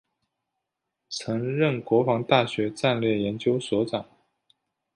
曾任国防大学战略研究所长。